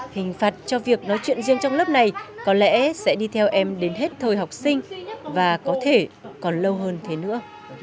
hình phạt cho việc nói chuyện riêng trong lớp này có lẽ sẽ đi theo em đến hết thời học sinh và có thể còn lâu hơn thế nữa